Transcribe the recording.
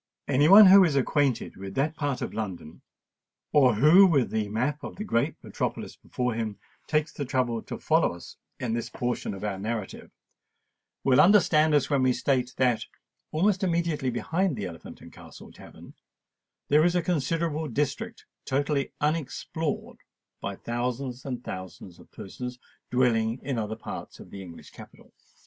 Any one who is acquainted with that part of London, or who, with the map of the great metropolis before him, takes the trouble to follow us in this portion of our narrative, will understand us when we state that, almost immediately behind the Elephant and Castle tavern, there is a considerable district totally unexplored by thousands and thousands of persons dwelling in other parts of the English capital.